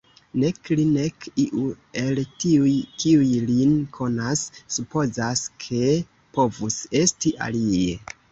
Nek li, nek iu el tiuj, kiuj lin konas, supozas, ke povus esti alie.